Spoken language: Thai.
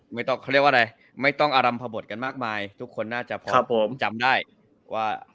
ไม่ต้องอะไรไม่ต้องอารมณ์พบทกันมากมายทุกคนน่าจะพร้อมจำได้ว่า